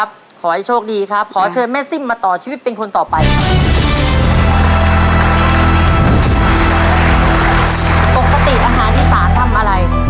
ปกติอาหารอีสานทำอะไร